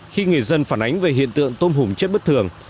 khi người dân phản ánh về hiện tượng tôm hùm chết bất thường